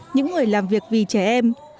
những người làm việc vì trẻ em